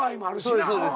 そうですそうです。